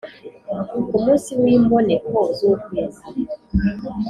Ku munsi w imboneko z ukwezi